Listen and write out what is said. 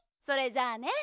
それじゃあね。